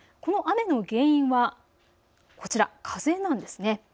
雨の原因はこちら、風なんです。